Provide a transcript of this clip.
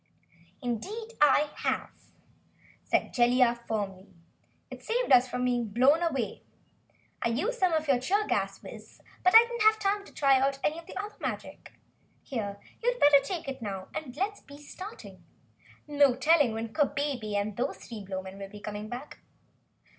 "Indeed I have," said Jellia firmly. "It saved us from being blown away. I used some of your cheer gas, Wiz, but I didn't have time to try out any of the other magic. Here, you'd better take it now and do let's be starting. No telling when Kabebe and those three Blowmen will be coming back."